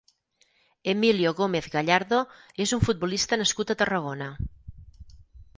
Emilio Gómez Gallardo és un futbolista nascut a Tarragona.